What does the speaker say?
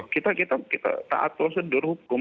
kita tak atur sederhukum